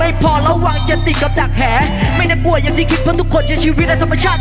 ไม่ได้กลัวอย่างที่คิดเพราะทุกคนใช้ชีวิตอันธรรมชาติ